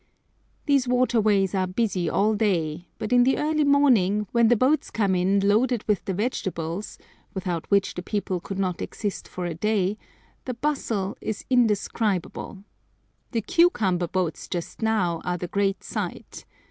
These water ways are busy all day, but in the early morning, when the boats come in loaded with the vegetables, without which the people could not exist for a day, the bustle is indescribable. The cucumber boats just now are the great sight.